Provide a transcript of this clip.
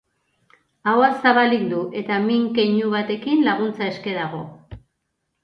Ahoa zabalik du eta min keinu batekin, laguntza eske dago.